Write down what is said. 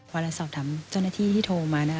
พอเราสอบถามเจ้าหน้าที่ที่โทรมานะ